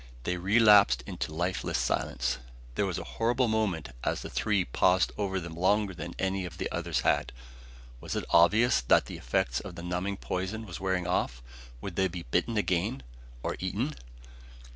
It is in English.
They relapsed into lifeless silence. There was a horrible moment as the three paused over them longer than any of the others had. Was it obvious that the effects of the numbing poison was wearing off? Would they be bitten again or eaten?